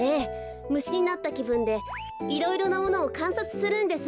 むしになったきぶんでいろいろなものをかんさつするんです。